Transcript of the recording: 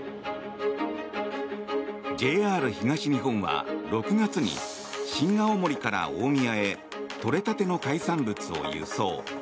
ＪＲ東日本は６月に新青森から大宮へ取れたての海産物を輸送。